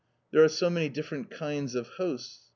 There are so many different kinds of hosts.